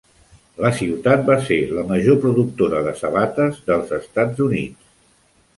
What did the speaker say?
La ciutat va ser la major productora de sabates dels Estats Units.